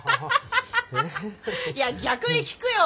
いや逆に聞くよ。